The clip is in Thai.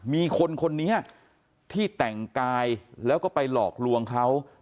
คนนี้ที่แต่งกายแล้วก็ไปหลอกลวงเขา